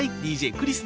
クリス。